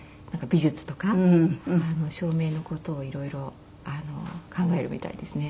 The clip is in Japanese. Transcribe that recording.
美術とか照明の事を色々考えるみたいですね。